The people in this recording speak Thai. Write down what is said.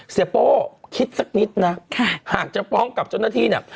โป้คิดสักนิดนะหากจะฟ้องกับเจ้าหน้าที่เนี่ย